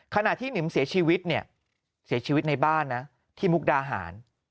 ขณะที่หนิมเสียชีวิตเสียชีวิตในบ้านนะที่มุกดาหาร